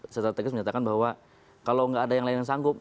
yang strategis menyatakan bahwa kalau nggak ada yang layak sanggup